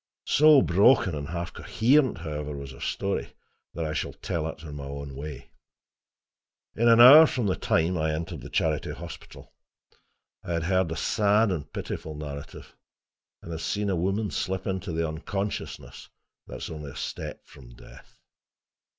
So broken and half coherent, however, was her story that I shall tell it in my own way. In an hour from the time I entered the Charity Hospital, I had heard a sad and pitiful narrative, and had seen a woman slip into the unconsciousness that is only a step from death.